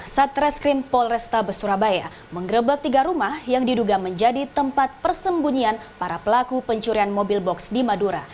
satreskrim polrestabes surabaya menggerebek tiga rumah yang diduga menjadi tempat persembunyian para pelaku pencurian mobil box di madura